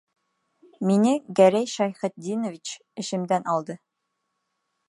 Мине Гәрәй Шәйхетдинович эшемдән алды.